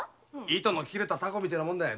糸の切れたタコみたいなもんでさ。